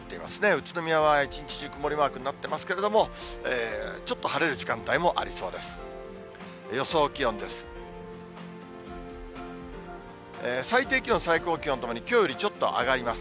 宇都宮は一日中、曇りマークになっていますけれども、ちょっと晴れる時間帯もありそうです。